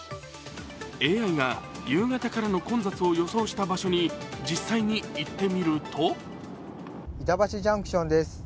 ＡＩが夕方からの混雑を予想した場所に実際に行ってみると板橋ジャンクションです。